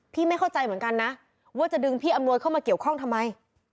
ไม่เข้าใจเหมือนกันนะว่าจะดึงพี่อำนวยเข้ามาเกี่ยวข้องทำไม